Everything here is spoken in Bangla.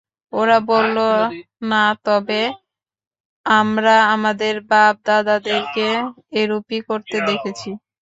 ওরা বলল, না তবে আমরা আমাদের বাপ-দাদাদেরকে এরূপই করতে দেখেছি।